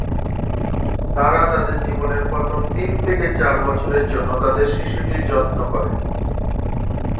তারা তাদের জীবনের প্রথম তিন থেকে চার বছরের জন্য তাদের শিশুটির যত্ন করে।